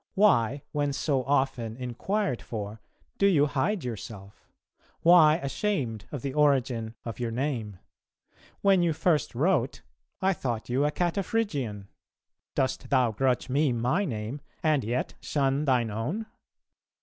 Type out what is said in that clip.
Why, when so often inquired for, do you hide yourself? Why ashamed of the origin of your name? When you first wrote, I thought you a Cataphrygian. ... Dost thou grudge me my name, and yet shun thine own?